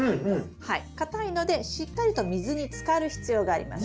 硬いのでしっかりと水につかる必要があります。